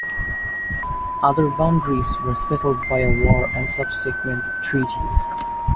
Other boundaries were settled by war and subsequent treaties.